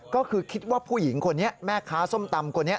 ก็คือคิดว่าผู้หญิงคนนี้แม่ค้าส้มตำคนนี้